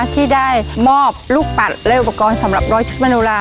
ที่ได้มอบลูกปัดและอุปกรณ์สำหรับร้อยชุดมโนลา